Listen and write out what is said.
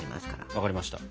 わかりました。